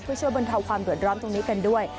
เพื่อช่วยบรรเทาความเดือดร้อนตรงนี้กันด้วย